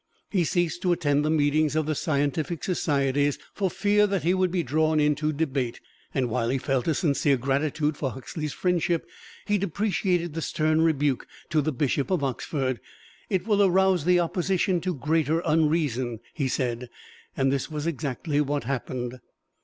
He ceased to attend the meetings of the scientific societies, for fear that he would be drawn into debate, and while he felt a sincere gratitude for Huxley's friendship, he deprecated the stern rebuke to the Bishop of Oxford. "It will arouse the opposition to greater unreason," he said. And this was exactly what happened.